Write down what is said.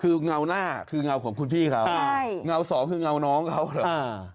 คืองาวหน้าคืองาวของคุณพี่ครับงาวสองคืองาวน้องเขาเหรอ